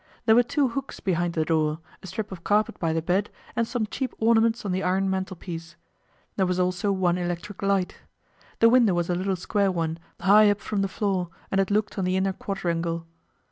There were two hooks behind the door, a strip of carpet by the bed, and some cheap ornaments on the iron mantelpiece. There was also one electric light. The window was a little square one, high up from the floor, and it looked on the inner quadrangle.